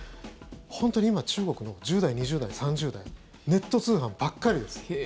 本当に今、中国の１０代、２０代、３０代ネット通販ばっかりです。